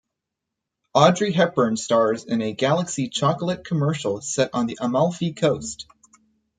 Audrey Hepburn stars in a Galaxy chocolate commercial set on the Amalfi coast.